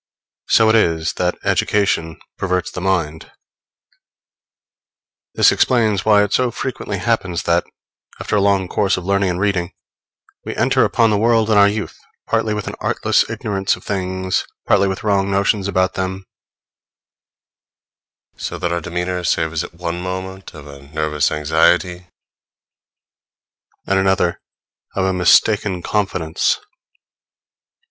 So it is that education perverts the mind. This explains why it so frequently happens that, after a long course of learning and reading, we enter upon the world in our youth, partly with an artless ignorance of things, partly with wrong notions about them; so that our demeanor savors at one moment of a nervous anxiety, at another of a mistaken confidence.